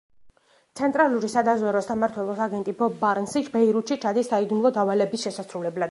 ცენტრალური სადაზვერვო სამმართველოს აგენტი ბობ ბარნსი ბეირუთში ჩადის საიდუმლო დავალების შესასრულებლად.